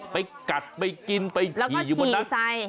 ไปกัดไปกินไปฉี่อยู่บนนั้นแล้วก็ฉี่ใส่